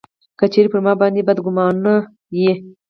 که چېرې پر ما باندي بدګومانه یې.